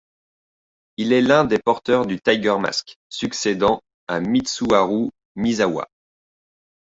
Il est l'un des porteurs du Tiger Mask, succédant à Mitsuharu Misawa.